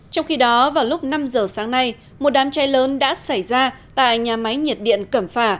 trong khi đó vào lúc năm giờ sáng nay một đám cháy lớn đã xảy ra tại nhà máy nhiệt điện cẩm phả